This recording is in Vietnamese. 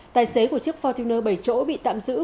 tài xế của chiếc fortunner bảy chỗ bị tạm giữ